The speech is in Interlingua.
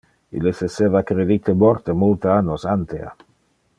Illes esseva credite morte multe annos antea.